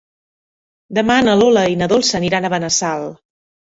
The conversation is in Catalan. Demà na Lola i na Dolça aniran a Benassal.